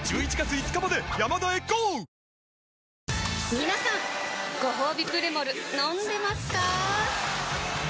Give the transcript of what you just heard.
みなさんごほうびプレモル飲んでますかー？